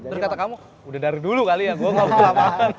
terus kata kamu udah dari dulu kali ya gue ngomong